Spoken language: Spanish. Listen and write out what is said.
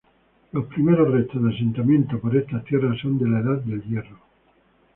Los primeros restos de asentamientos por estas tierras son de la Edad del Hierro.